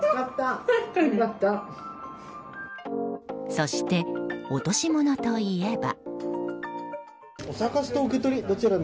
そして、落とし物といえば。